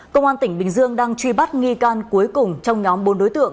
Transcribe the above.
công an tỉnh bình dương đang truy bắt nghi can cuối cùng trong nhóm bốn đối tượng